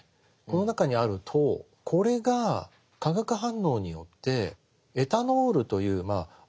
この中にある糖これが化学反応によってエタノールというアルコールですね